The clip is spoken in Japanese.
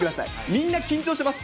みんな緊張してます。